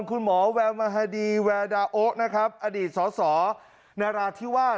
คุณหมอแวมฮดีแวดาโอ๊ะนะครับอดีตส่อในราชที่ว่า